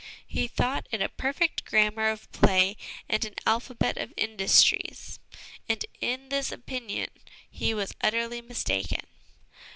He thought it a perfect grammar of play and an alphabet of industries ; and in this opinion he was utterly mistaken.